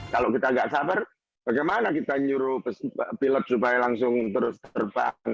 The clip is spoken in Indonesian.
kalau kita nggak sabar bagaimana kita nyuruh pilot supaya langsung terus terbang